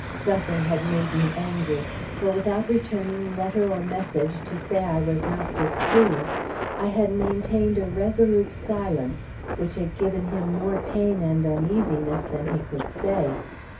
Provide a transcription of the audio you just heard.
Something had made me angry, for without returning letter or message to say I was not displeased, I had maintained a resolute silence, which had given him more pain and uneasiness than he could say.